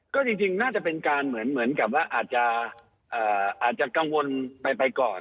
ก็จริงน่าจะเป็นการเหมือนกับว่าอาจจะกังวลไปก่อน